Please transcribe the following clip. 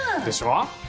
でしょ？